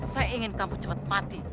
saya ingin kamu cepat pati